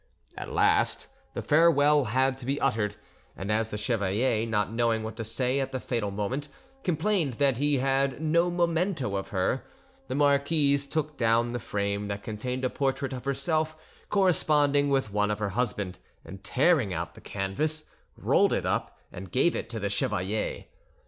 At last the farewell had to be uttered, and as the chevalier, not knowing what to say at the fatal moment, complained that he had no memento of her, the marquise took down the frame that contained a portrait of herself corresponding with one of her husband, and tearing out the canvas, rolled, it up and gave it to the chevalier.